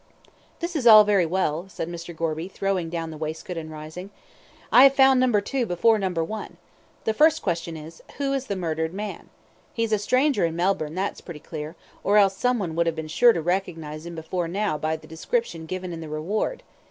"This is all very well," said Mr. Gorby, throwing down the waistcoat, and rising. "I have found number two before number one. The first question is: Who is the murdered man. He's a stranger in Melbourne, that's pretty clear, or else some one would have been sure to recognise him before now by the description given in the reward.